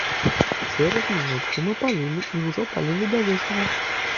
Цераз мінутку мы палілі і ўжо палілі да вечару.